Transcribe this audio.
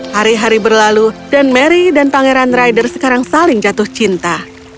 hari hari berlalu dan mary dan pangeran rider sekarang saling jatuh cinta